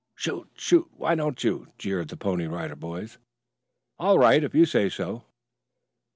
"Shoot, shoot, why don't you?" jeered the Pony Rider Boys. "All right if you say so."